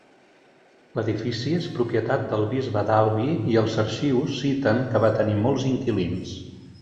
L'edifici és propietat del bisbe d'Albi i els arxius citen que va tenir molts inquilins.